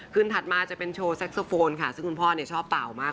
ขึ้นถัดมาจะเป็นโชว์แซคโซโฟนค่ะซึ่งคุณพ่อเนี่ยชอบเป่ามาก